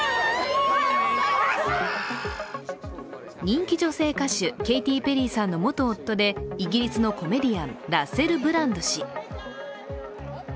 人気女性歌手、ケイティ・ペリーさんの元夫でイギリスのコメディアンラッセル・ブランド氏。